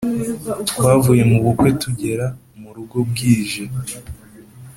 twavuye mu bukwe tugera mu rugo bwije.